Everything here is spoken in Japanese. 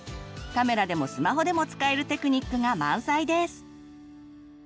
カメラでもスマホでも使えるテクニックが満載です！